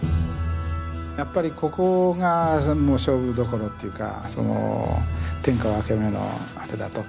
やっぱりここがその勝負どころというかその天下分け目のあれだと。